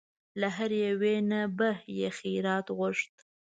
له هرې یوې نه به یې خیرات غوښت.